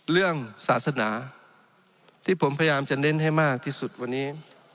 เรื่องศาสนาที่ผมพยายามจะเน้นให้มากที่สุดวันนี้